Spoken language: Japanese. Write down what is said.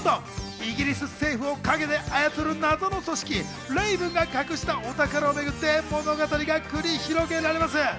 イギリス政府を影で操る謎の組織レイブンが隠したお宝をめぐって、物語が繰り広げられます。